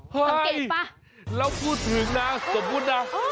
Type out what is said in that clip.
เฮ้ยแล้วพูดถึงนะสมมุตินะ